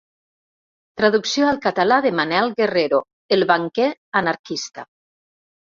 Traducció al català de Manel Guerrero El banquer anarquista.